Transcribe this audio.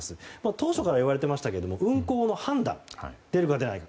当初からいわれていましたが運航の判断、出るか出ないか。